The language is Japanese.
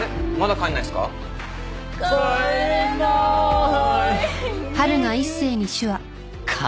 帰れない！